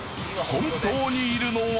本当にいるのは。